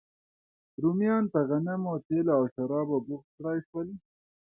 رومیان په غنمو، تېلو او شرابو بوخت کړای شول